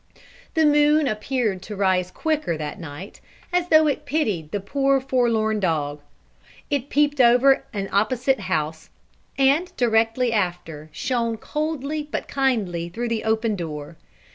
The moon appeared to rise quicker that night, as though it pitied the poor forlorn dog. It peeped over an opposite house, and directly after, shone coldly but kindly through the open door.